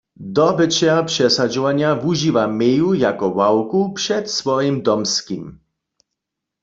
Dobyćer přesadźowanja wužiwa meju jako ławku před swojim domskim.